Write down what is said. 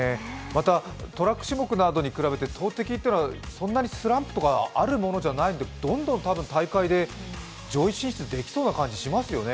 トラック種目などに比べて投てきというのはそんなにスランプとかあるものじゃないんで、どんどん大会で上位進出できそうな感じしますよね？